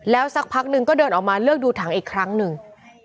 สักพักนึงก็เดินออกมาเลือกดูถังอีกครั้งหนึ่ง